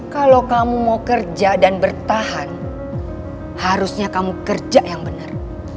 kalau kamu mau kerja dan bertahan harusnya kamu kerja yang benar